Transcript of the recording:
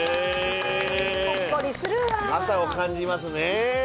朝を感じますね。